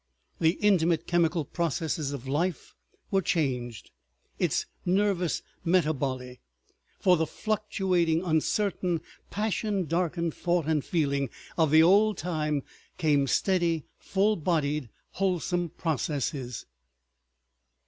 The intimate chemical processes of life were changed, its nervous metaboly. For the fluctuating, uncertain, passion darkened thought and feeling of the old time came steady, full bodied, wholesome processes.